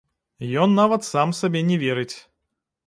Ён нават сам сабе не верыць.